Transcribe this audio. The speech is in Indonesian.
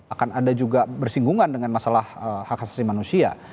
akan ada juga bersinggungan dengan masalah hak asasi manusia